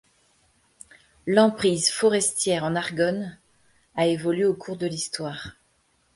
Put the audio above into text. L'emprise forestière en Argonne a évolué au cours de l'histoire.